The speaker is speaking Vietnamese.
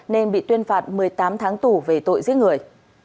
nên bị tuyên phạt một mươi tám tháng tù về tội giết người